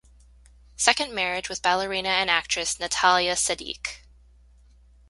Second marriage with ballerina and actress Natalya Sedykh.